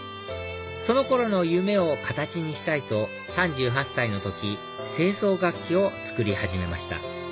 その頃の夢を形にしたいと３８歳の時清掃楽器を作り始めました